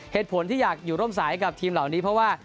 เหตุผลที่อยากอยู่ร่วมสายกับทีมเหล่านี้เพราะว่า